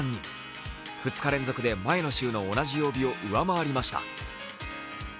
２日連続で前の週の同じ曜日を上回りました。